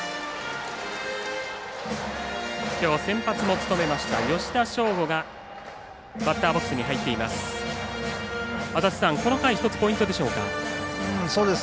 きょう先発も務めました吉田匠吾がバッターボックスに入っています。